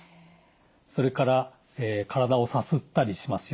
それから体をさすったりしますよね。